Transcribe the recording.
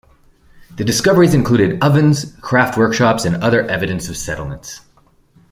The discoveries included ovens, craft workshops, and other evidence of settlements.